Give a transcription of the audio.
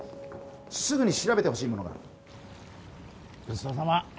すぐに調べてほしいものがあるごちそうさま